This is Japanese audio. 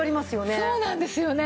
そうなんですよね。